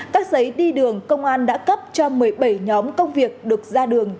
các giấy đi đường công an đã cấp cho một mươi bảy nhóm công việc được ra đường